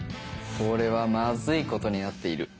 これはマズいことになっている。